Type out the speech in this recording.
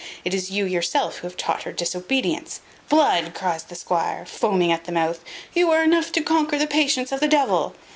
It is you yourself who have taught her disobedience." "Blood!" cries the squire, foaming at the mouth, "you are enough to conquer the patience of the devil!